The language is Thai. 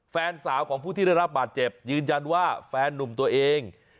แฟนสาวของผู้ที่ได้รับบาดเจ็บยืนยันว่าแฟนนุ่มตัวเอง